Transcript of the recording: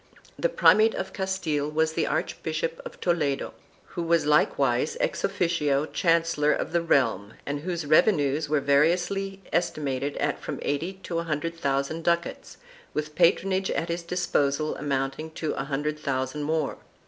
The primate of Castile was the Archbishop of Toledo, who was likewise ex officio chancellor of the realm and whose revenues were variously estimated at from eighty to a hundred thousand ducats, with patronage at his disposal amounting to a hundred thousand more.